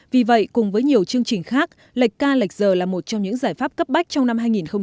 vì vậy cùng với nhiều chương trình khác lệch ca lệch giờ là một trong những giải pháp cấp bách trong năm hai nghìn hai mươi